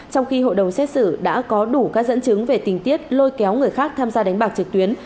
trong khi hội đồng xét xử đã có đủ các dẫn chứng về tình tiết lôi kéo người khác tham gia đánh bạc trực tuyến